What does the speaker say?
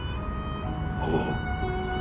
ほう。